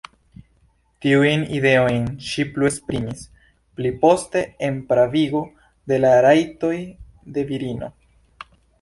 Tiujn ideojn ŝi plu esprimis pliposte en "Pravigo de la Rajtoj de Virino".